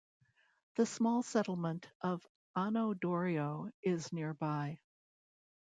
The small settlement of Ano Dorio is nearby.